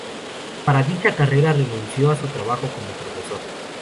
Para dicha carrera renunció a su trabajo como profesor.